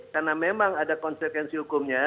karena memang ada konsekuensi hukumnya